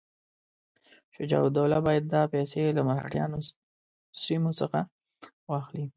شجاع الدوله باید دا پیسې له مرهټیانو سیمو څخه واخلي.